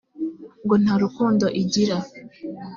ngo nta rukundo igira